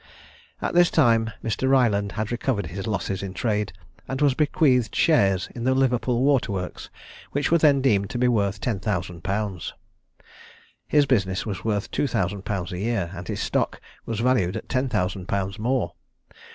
At this time Mr. Ryland had recovered his losses in trade, and was bequeathed shares in the Liverpool Water Works, which were then deemed to be worth ten thousand pounds: his business was worth two thousand pounds a year, and his stock was valued at ten thousand pounds more.